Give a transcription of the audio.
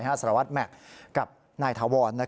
สารวัตรแม็กซ์กับนายถาวร